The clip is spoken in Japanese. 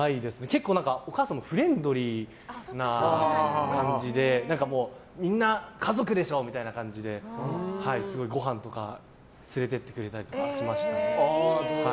結構お母さんがフレンドリーな感じでみんな家族でしょみたいな感じですごいごはんとか連れて行ってくれたりとか。